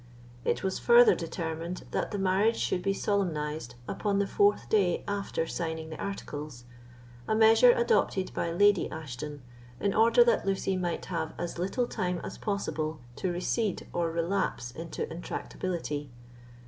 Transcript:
It was further determined that the marriage should be solemnised upon the fourth day after signing the articles, a measure adopted by Lady Ashton, in order that Lucy might have as little time as possible to recede or relapse into intractability.